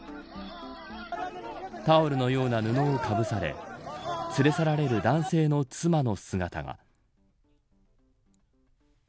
タオルのような布をかぶされ連れ去られる男性の妻の姿が。